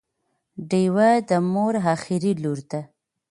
ډیوه د مور اخري لور ده